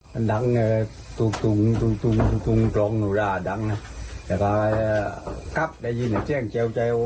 ไม่ว่าเขาไปในไหนนะฮะ